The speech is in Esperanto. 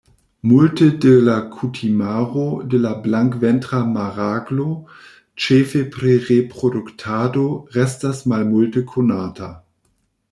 Multe de la kutimaro de la Blankventra maraglo, ĉefe pri reproduktado, restas malmulte konata.